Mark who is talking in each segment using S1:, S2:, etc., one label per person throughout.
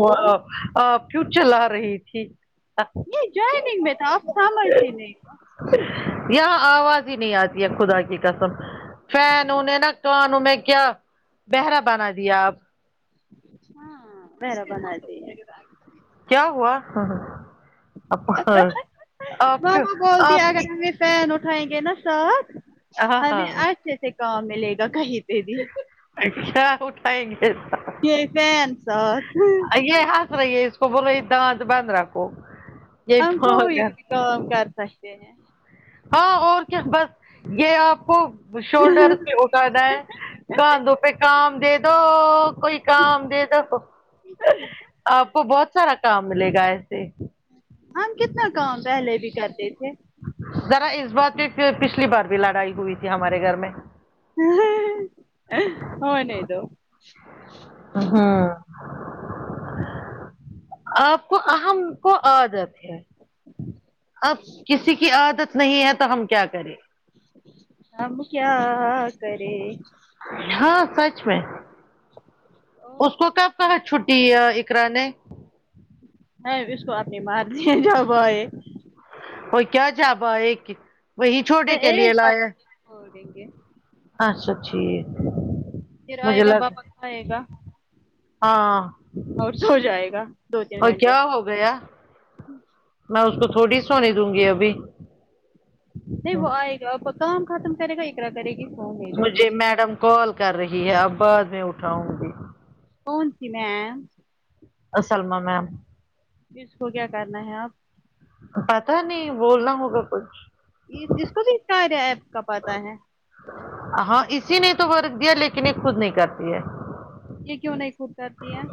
S1: وہ آپ آپ کیوں چلا رہی تھی
S2: یہ جوائننگ میں تھا آپ سمجھتی نہیں
S1: یہاں آواز ہی نہیں آتی ہے خدا کی قسم فین انیں ہنا کانوں میں کیا بہرا بنا دیا آپ
S2: ہاں بیرا بنادی
S1: کیا ہوا ہاں ہاں آپ خ آپ کیو
S2: ماما بولتی ہے
S1: آپ کی
S2: اگر ہمیں فین اٹھائیں گے نہ سب
S1: ہاں ہاں
S2: ہمیں اچھے سے کام ملے گا کہیں پہ بھی
S1: اچھا اٹھائیں گے
S2: یہ فینسات
S1: یے ہنس رہیے تو بولو یے دانت بند رکھو یہ
S2: ہمم کو بھی کام کر سکتے ہے
S1: ہاں اور کیا بس یہ آپ کو شولڈر سے اٹا رہا ہے کانھوں پہ کام دے دو کوئی کام دے دو آپ کو بہت سارا کام ملے گا ایسے
S2: ہم کتنا کام پہلے بھی کرتے تھے
S1: ذرا اس بات پے پچھلی بار بھی لڑائی ہوئی تھی ہمارے گھر میں
S2: ہونے دو
S1: ہاں آپ کو ہم کو عادت اب کسی کی عادت نہیں ہے تو ہم کیا کریں
S2: ہم کیا کرے
S1: ہاں سچ میں اس کو کب کہا چھٹی یاں اقرا نے
S2: مہوش کو آپنی مرضی جب ائے
S1: وہ کیا جب اۓ وہی چھوٹے
S2: میں
S1: کہ لیے
S2: ایک
S1: لائے
S2: بجے چھوڑ دیں گے
S1: اچھا ٹھیک
S2: پھر آئے
S1: مجھے
S2: گا
S1: لگ
S2: بابند آئے گا
S1: ہاں
S2: اور سو جائے گا دو تین
S1: اور
S2: گھنٹے
S1: کیا ہو گیا میں اس کو تھوڑی سونی دوں گی ابھی
S2: نہیں وہ آئے گا کام ختم کرے گا ٹرے کرے گی فو
S1: مجھے میڈم کال کر رہی ہے اب بعد میں اٹھاؤں گی
S2: کون سی میم
S1: ا سلما میم
S2: اس کو کیا کرنا ہے اب
S1: پتا نہیں بولنا ہوگا کچھ
S2: یے جس کو بھی کہ رہے اس کو پتا ہے
S1: ہاں اسی نے تو ورگ دیا لیکن یہ خود نہیں کرتی ہے
S2: یہ کیوں نہیں خود کرتی ہے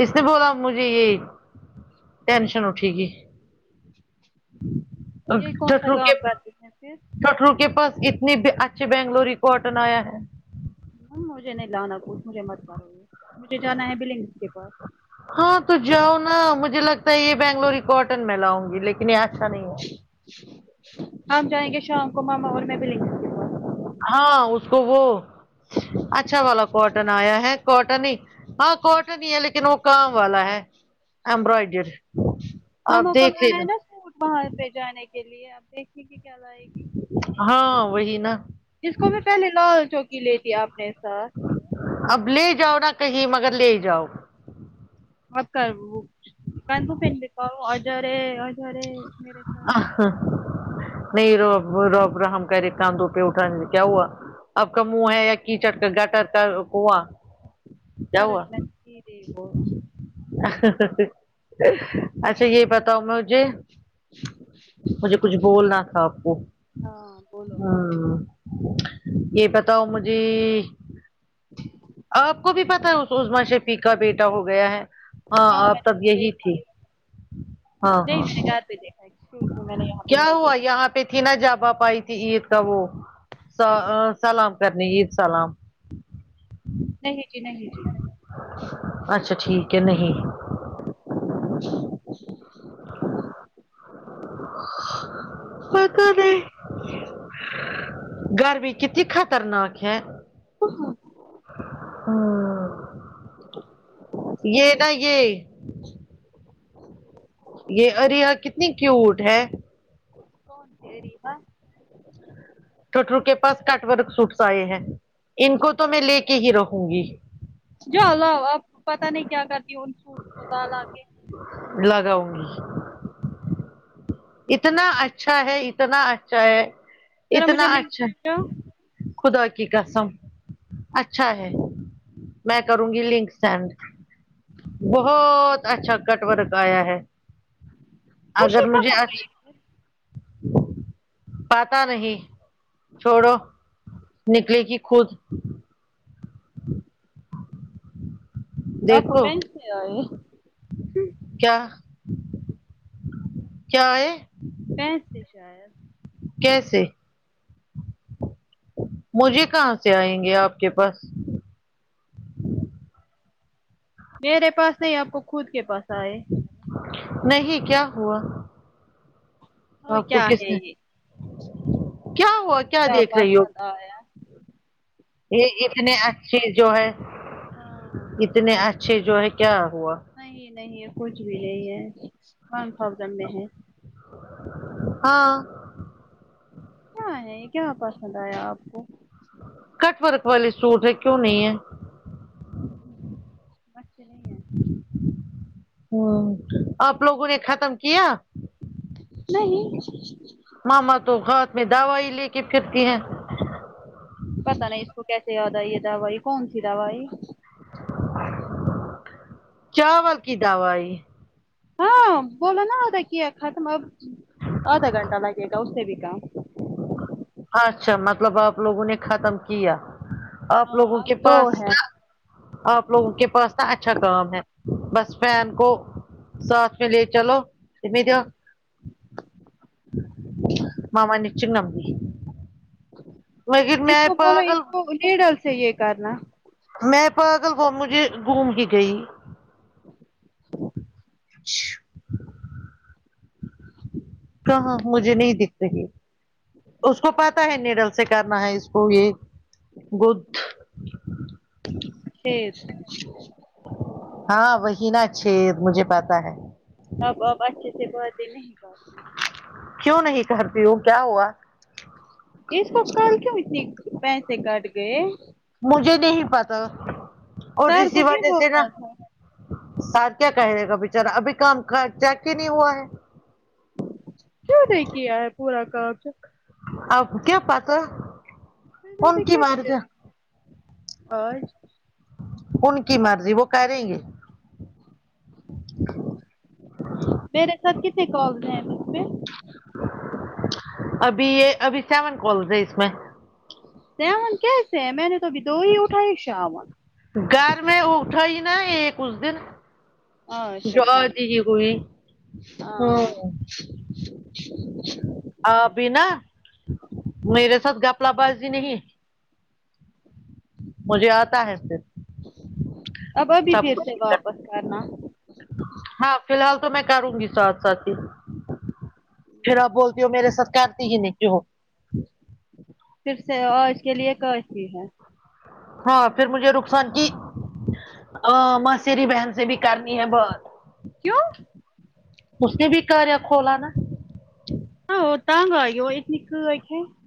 S1: اس نے بولا مجھے یہ ٹینشن اٹھے گی
S2: یہی کون سا کام کرتے ہیں پھر
S1: کٹرو کے پاس اتنے بھی اچھے بنگلوری کاٹن آیا ہے
S2: مجھے نہیں لانا کچھ مجھے مت کرو گے مجھے جانا ہے بلنگ کے پاس
S1: ہاں تو جاؤ نا مجھے لگتا ہے یہ بنگلوری کاٹن میں لاونگی لیکن یہ اچھا نہیں ہے
S2: ہم جائیں گے شام کو ماما اور میں پاس
S1: ہاں اس کو وہ اچھا والا کاٹن آیا ہے کاٹن ہی ہاں کاٹن ہی ہے لیکن وہ کام والا ہے امبرائڈڈ
S2: ہاں وہ کل لائنا سوٹ وہاں پہ جانے کے لیے آپ دیکھیے گی کیا لائے گی
S1: ہاں وہی نا
S2: جس کو بھی پہلے لال چوکی لیتی اپنے ساتھ
S1: اب لے جاؤ نا کہیں مگر لے جاؤ
S2: اور کر [unintelligible] بھی اجا رے اجا رے میرے ساتھ
S1: نہیں روب رب رحم کرے کام توپہ اٹھانے کیا ہوا اب کا منہ ہے یا کیچڑ کا گٹر کا کنواں کیا ہوا
S2: چارج میں سیدھے وہ
S1: اچھا یہ بتاؤ مجھے
S2: چو چو
S1: مجھے کچھ بولنا تھا اپ کو
S2: ہاں بولو
S1: ہوں ہوں یہ بتاؤ مجھے اپ کو بھی پتہ ہے اس عظمی شفی کا بیٹا ہو گیا ہے ہاں
S2: میں
S1: اب
S2: نے
S1: تب یہی
S2: دیکھا
S1: تھی ہاں ہاں
S2: جاتے دیکھا می، میں نے یہاں پہ
S1: کیا
S2: نہیں
S1: ہوا
S2: دیکھا
S1: یہاں پہ تھی نا جب آپ ائی تھی عید کا وہ سا سلام کرنے عید سلام
S2: نہیں جی نہیں جی
S1: اچھا ٹھیک ہے نہیں پتہ نہیں گرمی کتنی خطرناک ہے
S2: اہا
S1: ہاں یہ نا یہ یہ اریہا کتنی کیوٹ ہے
S2: کون اریہا
S1: ٹوٹرو کے پاس کٹ ورک سوٹس ائے ہیں ان کو تو میں لے کے ہی رہوں گی
S2: جاؤ لاؤ اپ پتا نہیں کیا کرتی ان سوٹس کو لا لا کے
S1: لگاؤں گی اتنا اچھا ہے اتنا اچھا ہے
S2: ذرا
S1: اتنا
S2: مجھے لنک
S1: اچھا
S2: بھیجو
S1: خدا کی قسم اچھا ہے میں کروں گی لنک سینڈ بہت اچھا کٹ ورک ایا ہے اگر
S2: خوشی
S1: مجھے
S2: کہاں
S1: اچھ
S2: گئی
S1: پاتا نہیں چھوڑو نکلے گی خود [inaudible]
S2: آپ کو
S1: دیکھو
S2: بینک سے آئے ہیں
S1: کیا کیا ائے
S2: فنسی شاید
S1: کیسے مجھے کہاں سے آئیں گے آپ کے پاس
S2: میرے پاس نہیں آپ کو خود کے پاس آئے
S1: نہیں کیا ہوا
S2: تو
S1: آپ کو
S2: کیا
S1: کس
S2: ہے
S1: نے
S2: یہ
S1: کیا ہوا کیا دیکھ رہی ہو
S2: پسند آیا
S1: یہ اتنے اچھے جو ہے
S2: ہاں
S1: اتنے اچھے جو ہے کیا ہوا
S2: نہیں نہیں کچھ بھی نہیں ہے ون تھوسند میں ہے
S1: ہاں
S2: کیا ہے یہ کیا پسند آیا آپ کو
S1: کٹ ورک والے سوٹ ہے کیوں نہیں ہے
S2: ہ ہ بس یہی ہے [inaudible]
S1: ہوں آپ لوگوں نے ختم کیا
S2: نہیں
S1: ماما تو ہاتھ میں دوائی لے کے پھرتی ہیں
S2: پتا نہیں اس کو کیسے یاد آئی یہ دوائی کون سی دوائی
S1: چاول کی دوائی
S2: ہاں بولو نا آدھا کیا ختم اب آدھا گھنٹہ لگے گا اس سے بھی کام
S1: اچھا مطلب آپ لوگوں نے ختم کیا آپ لوگوں
S2: ہاں اب
S1: کے
S2: دو
S1: پاس
S2: ہے
S1: آپ لوگوں کے پاس نا اچھا کام ہے بس فین کو ساتھ میں لے چلو ان میں دیا مما نچک نمبمی
S2: اس کو بولو اس
S1: پاگل
S2: کو نڈل سے یہ کرنا
S1: میں پاگل وه مجھے گھوم کے گئی
S2: ہ [inaudible]
S1: چی کہاں مجھے نہیں دکھتے اس کو پتا ہے نڈل سے کرنا ہے اس کو یہ گود
S2: پھر
S1: ہاں وہی نا چھید مجھے پتا ہے
S2: اب اب اچھے سے باتیں نہیں کرتے
S1: کیوں نہیں کرتی ہوں کیا ہوا
S2: اس کو کل کیوں اتنی پیسے کٹ گئے
S1: مجھے نہیں پتا اور
S2: سر کو
S1: اسی
S2: نہیں
S1: وجہ سے نا
S2: بولنا تھا
S1: سر کیا کہ رہے گا بچارا ابھی کام کا چیک ہی نہیں ہوا ہے
S2: کیوں نہیں کیا ہے پورا کام چیک
S1: اب کیا پاتا
S2: میں نے کیا کیا آج
S1: ان کی مرضی وہ کریں گے
S2: میرے سب کتے کال [unintelligible] پے
S1: ابھی یہ ابھی سیون کالز ہے اس میں
S2: سیون کیسے ہیں میں نے تو ابھی تو ہی اٹھائی شاباش
S1: گھر میں اٹھا ہی نا ایک اس دن
S2: اچھا
S1: جو
S2: ٹھیک
S1: [unintelligible] کوئی
S2: ہاں
S1: آپ بھی نہ میرے ساتھ گپلا بازی نہیں مجھے آتا ہے پھر
S2: اب ابھی بھی
S1: سب
S2: پھر سے
S1: کچھ
S2: واپس آنا
S1: ہاں فی الحال تو میں کروں گی ساتھ ساتھ ہی پھر آپ بولتی ہو میرے ساتھ کرتی ہی کیوں
S2: پھر سے اور آج کے لیے خرچ بھی ہے
S1: ہاں پھر مجھے رخصان کی موسری بہن سے بھی کرنی ہے بات
S2: کیوں
S1: اس نے بھی کاریا کھولا نا
S2: ہاں وہ تنگ [unintelligible]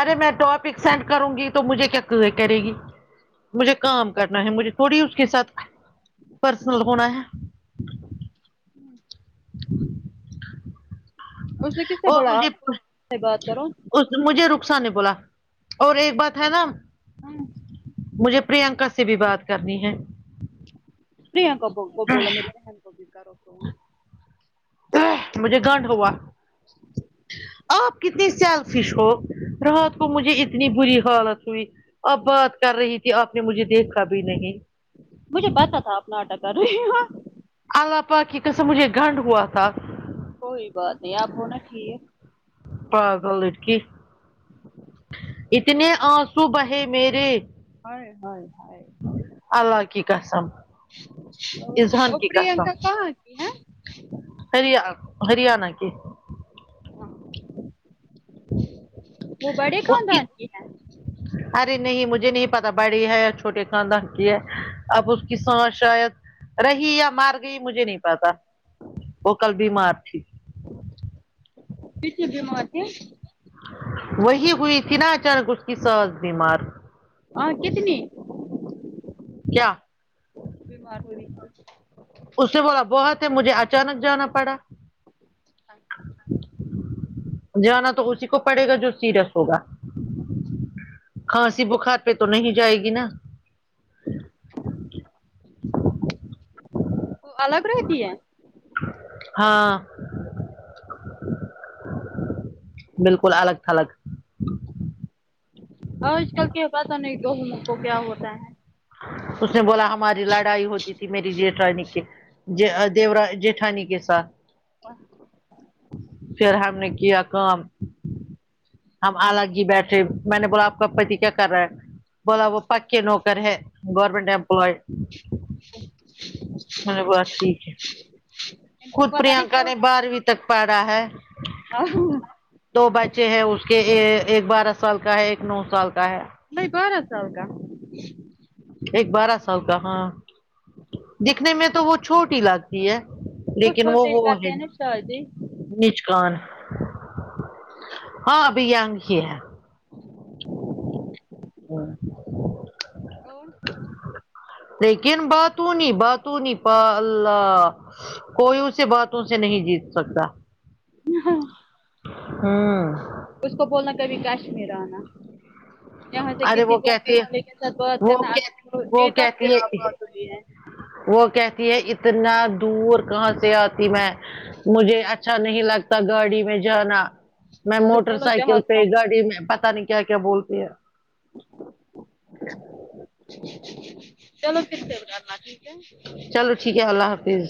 S1: ارے میں ٹاپک سینڈ کروں گی تو مجھے کیا کرے گی مجھے کام کرنا ہے مجھے تھوڑی اس کے ساتھ پرسنل ہونا ہے
S2: اس نے کس سے
S1: اور
S2: بولا
S1: مجھے
S2: آپ سے بات کرو
S1: اس مجھے رخصار نہیں بولا اور ایک بات ہے نا
S2: ہاں
S1: مجھے پرینکا سے بھی بات کرنی ہے
S2: پریکا کو بولا میری بہن کو بھی کرو فون
S1: مجھے گنڈ ہوا آپ کتنی سیلفش ہو رات کو مجھے اتنی بری حالت ہوئی اپ بات کر رہی تھی آپ نے مجھے دیکھا بھی نہیں
S2: مجھے پتا تھا اپ ناٹک کر رہی
S1: اللہ پاک کی قسم مجھے گنڈ ہوا تھا
S2: کوئی بات نہیں آپ ہونا ٹھیک
S1: پاگل لڑکی اتنے آنسو بہے میرے
S2: ہائے ہائے
S1: اللہ کی قسم اذہان
S2: اور
S1: کی
S2: پرنکا کہا ہے ہاں
S1: ہری ہریانہ کہ
S2: اچھا وہ بڑے خاندان کی ہے
S1: ارے نہیں مجھے نہیں پتا بڑی ہے یا چھوٹے خاندان کی ہے اب اس کی سانس شاید رہی یا مار گئی مجھے نہیں پتا وہ کل بیمار تھی
S2: کیسی بیمار پہ
S1: وہی ہوئی تھی نہ اچانک اس کی ساز بیمار
S2: ہاں کتنی
S1: کیا
S2: بیمار ہوئی
S1: اس سے بولا بہت ہے مجھے اچانک جانا پڑا
S2: اچھا
S1: جانا تو اسی کو پڑے گا جو سیریس ہوگا کھانسی بخار پہ تو نہیں جائے گی نا
S2: وہ الگ رہتی ہے
S1: [inaudible] ہاں بالکل الگ تھلگ
S2: آج کل کیا پتا نہیں گیہموں کو کیا ہوتا ہے ان
S1: اس نے بولا ہماری لڑائی ہوتی تھی میری جیٹرانی کے دیورا جیٹھانی کے ساتھ
S2: [inaudible]
S1: پھر ہم نے کیا کام ہم الگ ہی بیٹھے میں نے بولا آپ کا پتی کیا کر رہا ہے بولا وہ پکے نوکر ہے گورنمنٹ امپلائڈ
S2: [inaudible]
S1: میں نے بولا ٹھیک ہے
S2: [inaudible]
S1: خود
S2: نہیں
S1: پرینکا
S2: کیوں
S1: نے بارہویں تک پڑھا ہے
S2: [unintelligible]
S1: دو بچے ہیں اس کے ایک بارہ سال کا ہے ایک نو سال کا ہے
S2: نہیں بارہ سال کا
S1: ایک بارہ سال کا ہاں
S2: [inaudible]
S1: دکھنے میں تو وہ چھوٹی لگتی ہے
S2: کچھ
S1: لیکن وہ
S2: ہوتے ہی
S1: وہ
S2: کہتے
S1: ہے
S2: ہیں نا شاہ جی
S1: نچکان ہاں بھئینگ ہی ہے
S2: اور
S1: لیکن باتونی باتونی پ اللہ کوئی اس سے باتوں سے نہیں جیت سکتا
S2: ہاں
S1: ہاں
S2: اس کو بولنا کبھی کشمیر آنا یہاں سے
S1: ارے
S2: کسی
S1: وہ
S2: بھی آنے
S1: کہتی ہے
S2: والے کے ساتھ بات
S1: وہ
S2: کرنا
S1: کہ وہ
S2: تک پھر
S1: کہتی
S2: آ
S1: ہے
S2: بات ہوئی ہے
S1: وہ کہتی ہے اتنا دور کہاں سے آتی میں مجھے اچھا نہیں لگتا گاڑی میں جانا میں
S2: تو
S1: موٹر
S2: بولو
S1: سائیکل
S2: جہاز
S1: پہ
S2: کا
S1: گاڑی میں پتا نہیں کیا کیا بولتی ہے
S2: چلو پھر کرنا جی [inaudible]
S1: چلو ٹھیک ہے اللہ حافظ